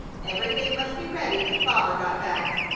Everything must be ready when Father got back.